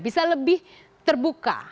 bisa lebih terbuka